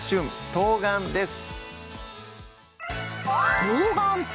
冬瓜」です